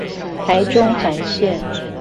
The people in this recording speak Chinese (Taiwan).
台中環線